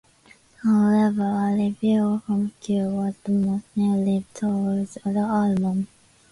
However, a reviewer from "Q" was the most negative towards the album.